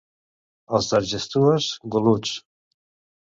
Els d'Argestues, golluts.